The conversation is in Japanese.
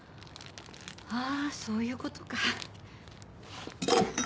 あぁそういうことか。